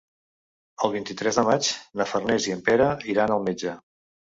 El vint-i-tres de maig na Farners i en Pere iran al metge.